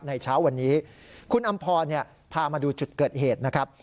เช้าวันนี้คุณอำพรพามาดูจุดเกิดเหตุนะครับ